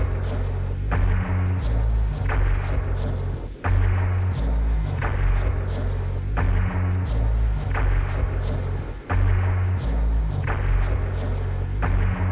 kisah kisah yang menjadikan anak bangsa tersebut terkenal